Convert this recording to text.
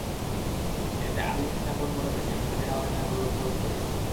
এতে আহলি কিতাবগণ বলে থাকেন, হাজেরা অনেকটা গৌরববোধ করেন।